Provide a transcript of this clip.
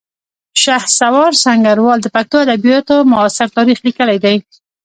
شهسوار سنګروال د پښتو ادبیاتو معاصر تاریخ لیکلی دی